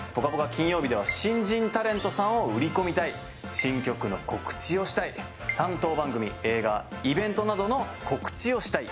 金曜日では新人タレントさんを売り込みたい新曲の告知をしたい担当番組・映画イベントなどの告知をしたい。